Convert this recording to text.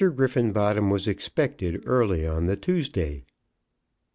Griffenbottom was expected early on the Tuesday.